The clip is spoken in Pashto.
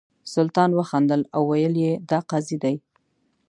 سلطان وخندل او ویل یې دا قاضي دی.